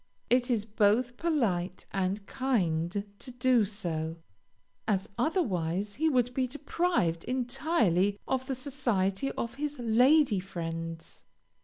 It is both polite and kind to do so, as otherwise he would be deprived entirely of the society of his lady friends.